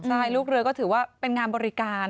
ใช่ลูกเรือก็ถือว่าเป็นงานบริการ